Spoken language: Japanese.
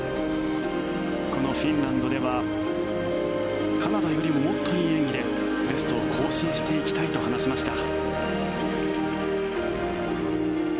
このフィンランドではカナダよりももっといい演技でベストを更新していきたいと話しました。